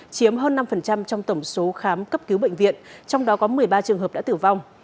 chiếm hơn năm trong tổng số khám cấp cứu bệnh viện trong đó có một mươi ba trường hợp đã tử vong